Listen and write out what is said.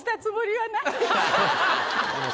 はい。